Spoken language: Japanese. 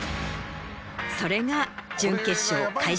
それが準決勝開始